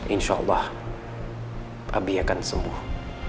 insya allah abi akan sembuh